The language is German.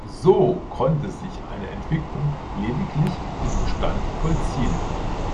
So konnte sich eine Entwicklung lediglich im Bestand vollziehen.